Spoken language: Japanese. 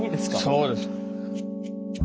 そうです。